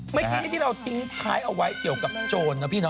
เมื่อกี้ที่เราทิ้งท้ายเอาไว้เกี่ยวกับโจรนะพี่เน